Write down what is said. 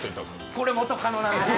これ元カノなんですよ。